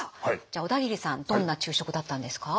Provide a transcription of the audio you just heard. じゃあ小田切さんどんな昼食だったんですか？